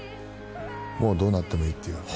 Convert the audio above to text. もうどうなってもいいっていう。